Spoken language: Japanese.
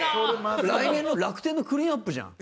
来年の楽天のクリーンアップじゃん。